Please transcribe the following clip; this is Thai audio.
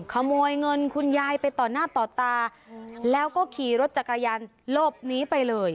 ขโมยเงินคุณยายไปต่อหน้าต่อตาแล้วก็ขี่รถจักรยานหลบหนีไปเลย